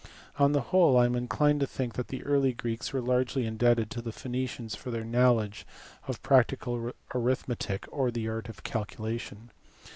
On the whole I am inclined to think that the early Greeks were largely indebted to the Phoenicians for their knowledge of practical arithmetic or the art of calculation.